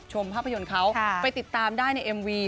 ภาพยนตร์เขาไปติดตามได้ในเอ็มวี